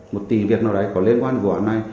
một tỷ việc nào đấy có liên quan vụ án này